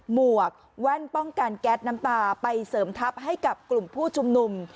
หวกแว่นป้องกันแก๊สน้ำตาไปเสริมทัพให้กับกลุ่มผู้ชุมนุม